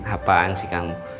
apaan sih kamu